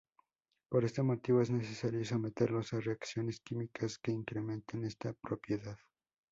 Por este motivo es necesario someterlos a reacciones químicas que incrementen esta propiedad.